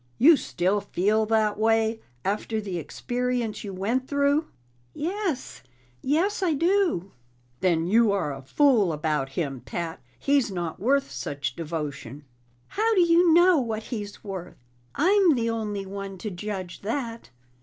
"You still feel that way, after the experience you went through?" "Yes. Yes, I do." "Then you are a fool about him, Pat. He's not worth such devotion." "How do you know what he's worth? I'm the only one to judge that."